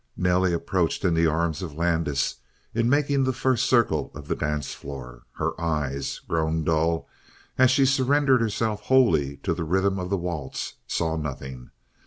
Nelly approached in the arms of Landis in making the first circle of the dance floor; her eyes, grown dull as she surrendered herself wholly to the rhythm of the waltz, saw nothing.